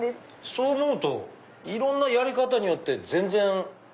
そう思うといろんなやり方によって全然違う。